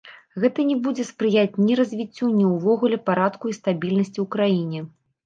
Гэта не будзе спрыяць ні развіццю, ні ўвогуле парадку і стабільнасці ў краіне.